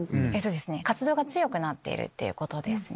活動が強くなってるってことですね。